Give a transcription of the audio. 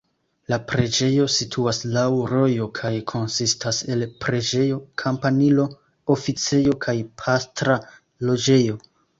La preĝejo situas laŭ rojo kaj konsistas el preĝejo, kampanilo, oficejo kaj pastra loĝejo.